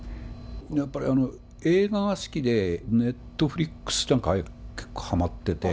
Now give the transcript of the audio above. やっぱり映画が好きで、ネットフリックスなんか、結構はまってて。